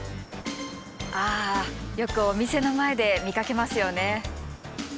あよくお店の前で見かけますよね。